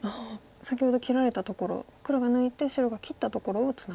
先ほど切られたところ黒が抜いて白が切ったところをツナぐと。